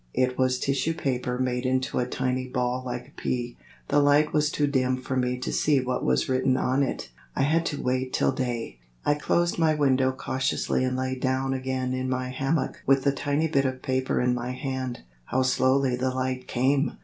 It was tissue paper made into a tiny ball like a pea. The light was too dim for me to see what was written on it; I had to wait till day. I closed my window cautiously and lay down again in my hammock with the tiny bit of paper in my hand. How slowly the light came!